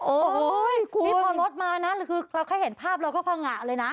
โอ้โหนี่พองดมานะคือเราแค่เห็นภาพเราก็พังงะเลยนะ